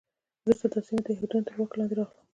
وروسته دا سیمه د یهودانو تر واک لاندې راغله.